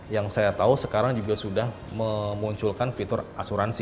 yang saya tahu sekarang juga sudah memunculkan fitur asuransi